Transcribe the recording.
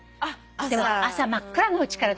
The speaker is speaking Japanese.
朝真っ暗のうちから。